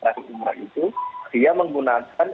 umroh itu dia menggunakan